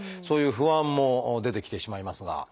そういう不安も出てきてしまいますが。